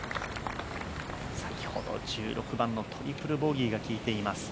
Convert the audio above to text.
先ほど、１６番のトリプルボギーがきいています。